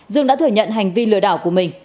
dương đã thừa nhận hành vi lừa đảo của mình